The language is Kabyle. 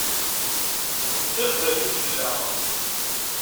D ddiq dayi fell-aɣ.